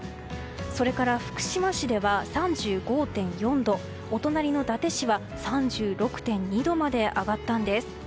それから福島市では３５．４度お隣の伊達市は３６．２度まで上がったんです。